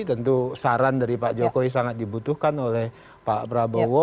tentu saran dari pak jokowi sangat dibutuhkan oleh pak prabowo